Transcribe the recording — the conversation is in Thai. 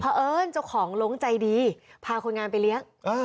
เพราะเอิญเจ้าของลงใจดีพาคนงานไปเลี้ยง